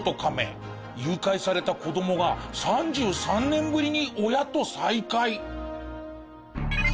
誘拐された子供が３３年ぶりに親と再会。